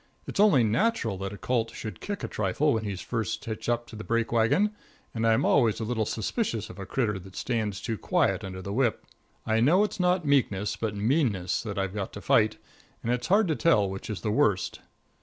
It's only natural that a colt should kick a trifle when he's first hitched up to the break wagon, and I'm always a little suspicious of a critter that stands too quiet under the whip. I know it's not meekness, but meanness, that I've got to fight, and it's hard to tell which is the worst.